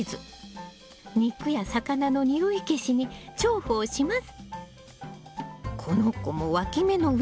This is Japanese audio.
肉や魚の臭い消しに重宝します。